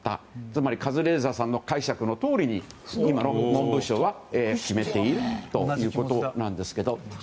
つまりカズレーザーさんの解釈のとおりに今の文部省は決めているということなんですけど。